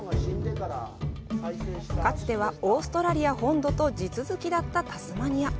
かつてはオーストラリア本土と地続きだったタスマニア。